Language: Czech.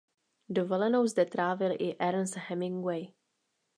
Dovolenou zde trávil i Ernest Hemingway.